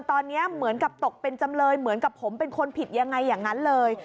ตอนนี้เหมือนกับตกเป็นจำเลยเหมือนกับผมเป็นคนผิดยังไงอย่างนั้นเลย